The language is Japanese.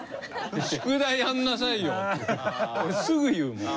「宿題やんなさいよ」って俺すぐ言うもん。